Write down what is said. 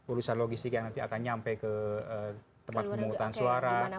urusan logistik yang nanti akan nyampe ke tempat pemungutan suara